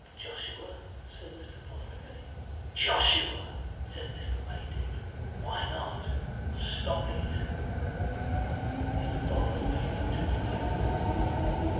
"Joshua?" said Mr. Fotheringay. "Joshua," said Mr. Maydig. "Why not? Stop it." Mr. Fotheringay looked at the moon.